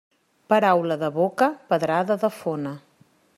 Paraula de boca, pedrada de fona.